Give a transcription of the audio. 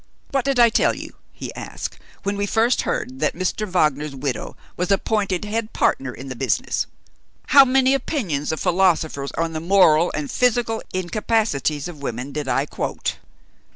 "What did I tell you," he asked, "when we first heard that Mr. Wagner's widow was appointed head partner in the business? How many opinions of philosophers on the moral and physical incapacities of women did I quote?